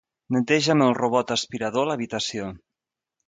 Neteja amb el robot aspirador l'habitació.